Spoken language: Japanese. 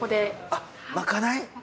あっまかない？